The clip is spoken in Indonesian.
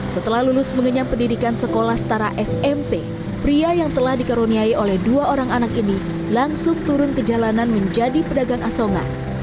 setelah lulus mengenyam pendidikan sekolah setara smp pria yang telah dikaruniai oleh dua orang anak ini langsung turun ke jalanan menjadi pedagang asongan